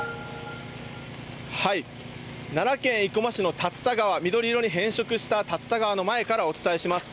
奈良県生駒市の竜田川、緑色に変色した竜田川の前からお伝えします。